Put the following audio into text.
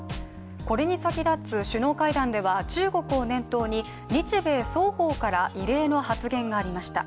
これに先立つ首脳会談では中国を念頭に日米双方から異例の発言がありました。